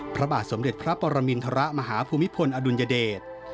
พระบาทสมเด็จพระปรมินทรมาฮภูมิพลอดุลยเดช